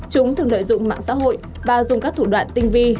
chúng thường lợi dụng mạng xã hội và dùng các thủ đoạn tinh vi